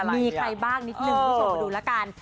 มีใครบ้างนิดนึงมาดูละกัน